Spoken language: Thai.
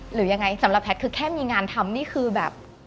หรือยังไงสำหรับแพทย์คือแค่มีงานทำนี่คือแบบ